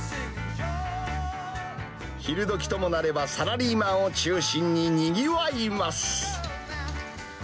昼どきともなれば、サラリーマンを中心ににぎわいます。